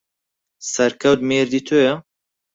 سەرکەوت مێردی تۆیە؟